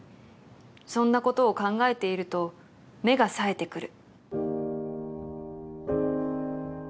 「そんなことを考えていると目がさえてくる」